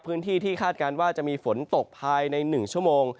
พื้นที่ที่คาดการณ์ว่าจะมีฝนตกภายใน๑ชั่วโมง